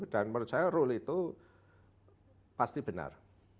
dan menurut saya rule itu pasti benar